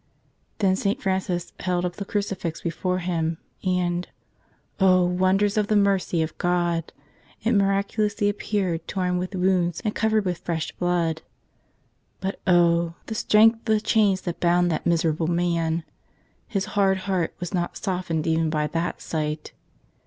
Then St. Francis held up the crucifix before him. And — oh wonders of the mercy of God !— it mi¬ raculously appeared torn with wounds and covered with fresh blood. But oh! the strength of the chains that bound that miserable man! His hard heart was not softened even by that sight.